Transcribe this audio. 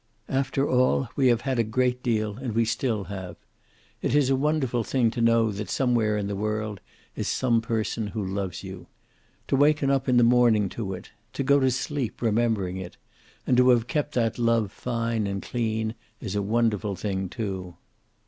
"After all, we have had a great deal, and we still have. It is a wonderful thing to know that somewhere in the world is some one person who loves you. To waken up in the morning to it. To go to sleep remembering it. And to have kept that love fine and clean is a wonderful thing, too.